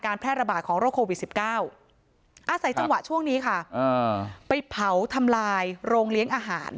อ่าใส่จ่างหวะช่วงนี้ค่ะเออไปเผาทำลายโรงเลี้ยงอาหาร